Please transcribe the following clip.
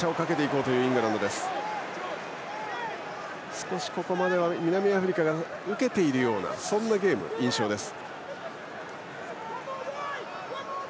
少しここまでは南アフリカが受けているというゲームの印象です。